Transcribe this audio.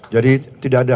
jadi tidak ada